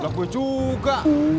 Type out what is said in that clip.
lah gue juga